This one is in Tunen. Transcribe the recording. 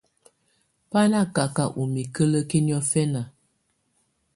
Bà na kaka ù mikǝ́lǝ́ki niɔ̀fɛna.